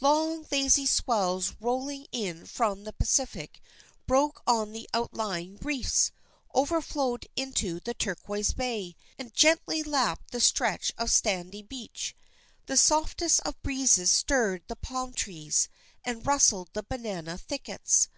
Long, lazy swells rolling in from the Pacific broke on the outlying reefs, overflowed into the turquoise bay, and gently lapped the stretch of sandy beach. The softest of breezes stirred the palm trees and rustled the banana thickets.